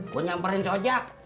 gue nyamperin sojak